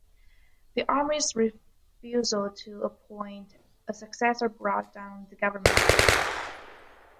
The Army's refusal to appoint a successor brought down the government.